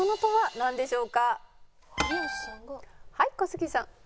はい小杉さん。